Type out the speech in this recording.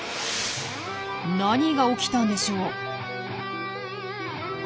何が起きたんでしょう？